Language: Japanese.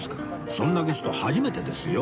そんなゲスト初めてですよ